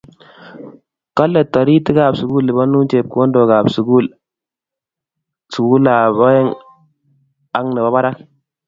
Kale toritiik ab sukul lipanun chepkondok ab sukul ab aeng ang nebo barak